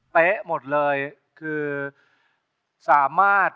เป็นตัวสุดท้าย